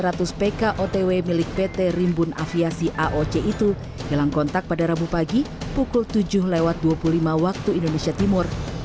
pesawat yang dikenal sebagai pertama pilih pt rimbun aviasi aoc itu hilang kontak pada rabu pagi pukul tujuh dua puluh lima waktu indonesia timur